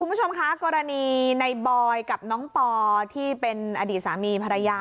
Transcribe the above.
คุณผู้ชมคะกรณีในบอยกับน้องปอที่เป็นอดีตสามีภรรยา